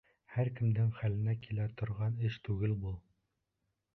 Һәр кемдең хәленән килә торған эш түгел был.